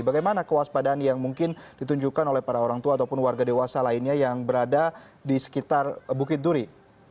bagaimana kewaspadaan yang mungkin ditunjukkan oleh para orang tua ataupun warga dewasa lainnya yang berada di sekitar bukit duri